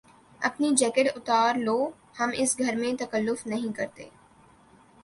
اپنی جیکٹ اتار لو۔ ہم اس گھر میں تکلف نہیں کرتے